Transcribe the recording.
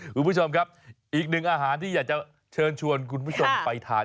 คุณผู้ชมครับอีกหนึ่งอาหารที่อยากจะเชิญชวนคุณผู้ชมไปทาน